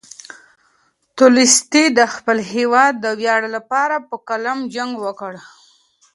تولستوی د خپل هېواد د ویاړ لپاره په قلم جنګ وکړ.